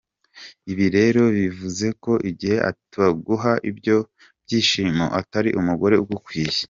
Ibi rero bivuze ko igihe ataguha ibyo byishimo atari umugore ugukwiye.